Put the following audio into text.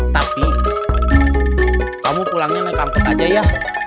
tapi kamu pulangnya naik kanker aja ya